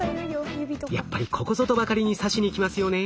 やっぱりここぞとばかりに刺しにきますよね。